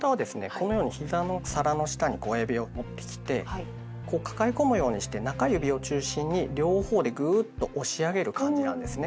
このようにひざの皿の下に親指を持ってきてこう抱え込むようにして中指を中心に両方でグーッと押し上げる感じなんですね。